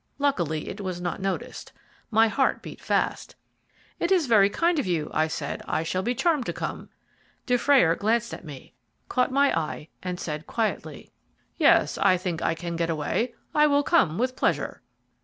Luckily it was not noticed my heart beat fast. "It is very kind of you," I said. "I shall be charmed to come." Dufrayer glanced at me, caught my eye, and said quietly: "Yes, I think I can get away. I will come, with pleasure."